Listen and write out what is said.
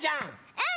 うん！